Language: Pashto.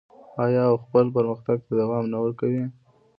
آیا او خپل پرمختګ ته دوام نه ورکوي؟